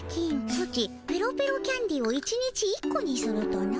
ソチペロペロキャンディーを１日１個にするとな？